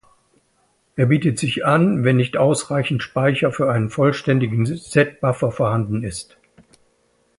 Er bietet sich an, wenn nicht ausreichend Speicher für einen vollständigen Z-Buffer vorhanden ist.